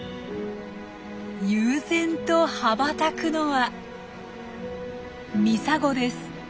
悠然と羽ばたくのはミサゴです。